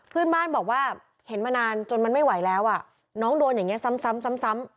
เพื่อนบ้านบอกว่าเห็นมานานจนมันไม่ไหวแล้วอ่ะน้องโดนอย่างนี้ซ้ำซ้ำ